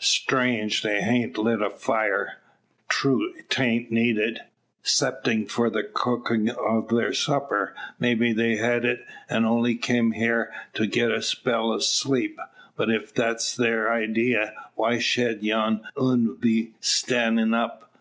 Strange they hain't lit a fire! True 'tain't needed 'ceptin' for the cookin' o' thar supper. Maybe they've hed it, an' only kim hyar to get a spell o' sleep. But ef thet's thar idee why shed yon 'un be stannin' up.